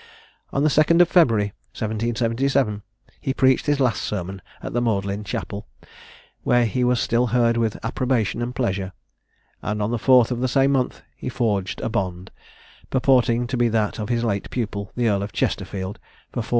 On the 2nd of February 1777, he preached his last sermon at the Magdalen Chapel, where he was still heard with approbation and pleasure; and on the 4th of the same month he forged a bond, purporting to be that of his late pupil, the Earl of Chesterfield, for 4200_l.